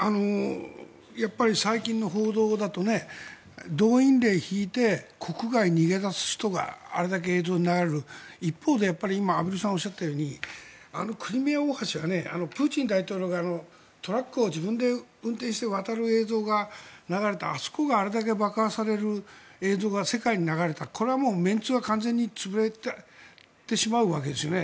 やっぱり最近の報道だと動員令を敷いて国外に逃げ出す人があれだけ映像で流れる一方で畔蒜さんが今おっしゃったようにあのクリミア大橋はプーチン大統領がトラックを自分で運転して渡る映像が流れたあそこがあれだけ爆破される映像が世界に流れたこれはメンツが完全に潰れてしまうわけですよね。